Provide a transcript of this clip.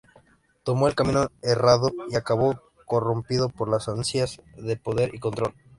Tomó el camino errado y acabó corrompido por las ansias de poder y control.